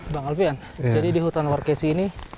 bang alfian jadi di hutan warkesi ini